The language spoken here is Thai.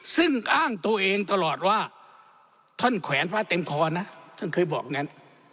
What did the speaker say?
ซึ่งอ้างตัวเองตลอดว่าท่านแขวนพระเต็มคอนะท่านเคยบอกงั้น